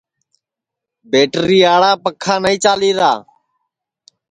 بیٹریاڑا پکھا نائی چالیرا